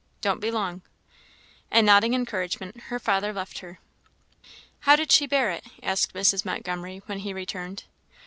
Don't be long." And nodding encouragement, her father left her. "How did she bear it?" asked Mrs. Montgomery, when he returned.